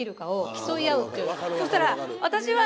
そしたら。